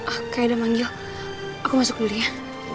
aka udah manggil aku masuk kuliah